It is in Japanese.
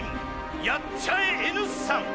やっちゃえＮ産。